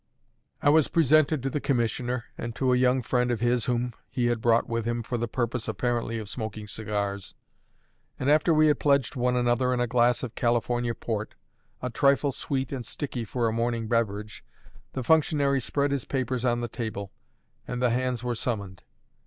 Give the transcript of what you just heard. I was presented to the commissioner, and to a young friend of his whom he had brought with him for the purpose (apparently) of smoking cigars; and after we had pledged one another in a glass of California port, a trifle sweet and sticky for a morning beverage, the functionary spread his papers on the table, and the hands were summoned.